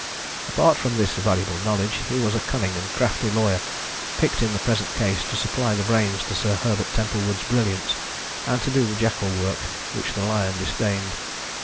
Apart from this valuable knowledge, he was a cunning and crafty lawyer, picked in the present case to supply the brains to Sir Herbert Templewood's brilliance, and do the jackal work which the lion disdained.